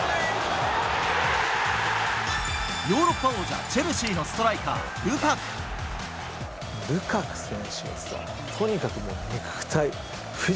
ヨーロッパ王者チェルシーのストライカー、ルカク。